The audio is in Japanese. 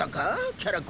キャラ公？